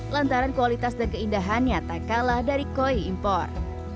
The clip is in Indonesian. lantaran kualitas dan keindahannya tak kalah dari koi impor